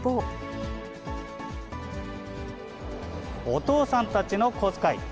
お父さんたちの小遣い。